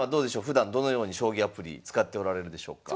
ふだんどのように将棋アプリ使っておられるでしょうか？